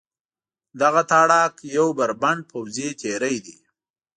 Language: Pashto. دغه تاړاک یو بربنډ پوځي تېری دی.